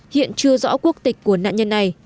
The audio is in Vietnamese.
hiện chưa rõ quốc tịch của nạn nhân này